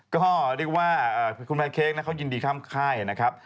ก็เรียกว่าคุณแพนเค้กเขายินดีข้ามค่ายนะครับ